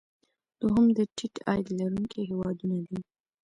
دوهم د ټیټ عاید لرونکي هیوادونه دي.